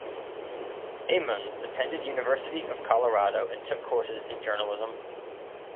Ammons attended University of Colorado and took courses in journalism.